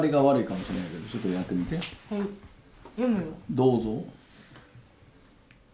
どうぞ。